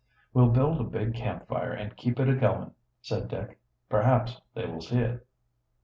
"We'll build a big camp fire and keep it a going," said Dick. "Perhaps they will see it."